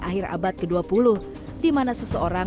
akhir abad ke dua puluh dimana seseorang